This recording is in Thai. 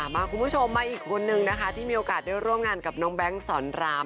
คุณผู้ชมมาอีกคนนึงนะคะที่มีโอกาสได้ร่วมงานกับน้องแบงค์สอนราม